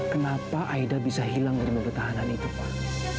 kenapa aida bisa hilang dari pembertahanan itu pak